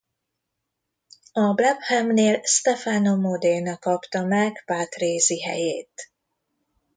A Brabhamnél Stefano Modena kapta meg Patrese helyét.